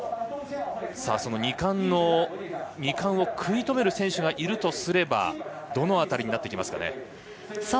その２冠を食い止める選手がいるとすればどの辺りになってきますかね。